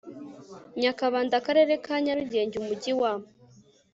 nyakabanda akarere ka nyarugenge umujyi wa